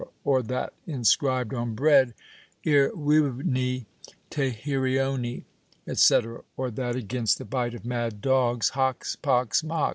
or that inscribed on bread Irivni Teherioni etc.; or that against the bite of mad dogs, Hax, Pax, Max.